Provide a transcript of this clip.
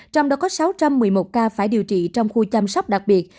trong đó có sáu trăm một mươi một ca phải điều trị trong khu chăm sóc đặc biệt